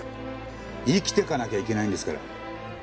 生きていかなきゃいけないんですから！